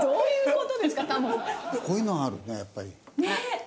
こういうのはあるねやっぱりカラシ。